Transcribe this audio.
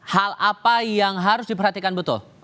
hal apa yang harus diperhatikan betul